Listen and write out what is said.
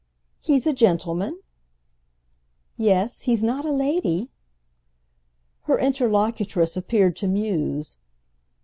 "He's a gentleman?" "Yes, he's not a lady." Her interlocutress appeared to muse.